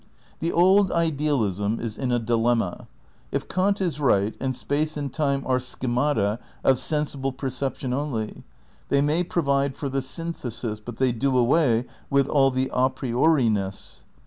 The Old Idealism is in a dilemma. If Kant is right and space and time are schemata of sensible perception only, they may provide for the synthesis, but they do away with all the a prioriness.